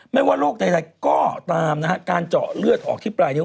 ไม่ว่าโรคใดก็ตามนะฮะการเจาะเลือดออกที่ปลายนิ้